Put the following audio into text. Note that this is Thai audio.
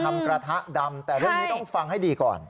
กระทะดำแต่เรื่องนี้ต้องฟังให้ดีก่อน